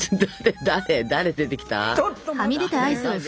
誰が出てきたよ？